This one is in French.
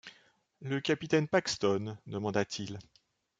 Le capitaine Paxton ?… demanda-t-il.